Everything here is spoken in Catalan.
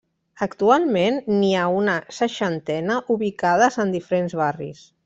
Actualment n'hi ha una seixantena ubicades en diferents barris.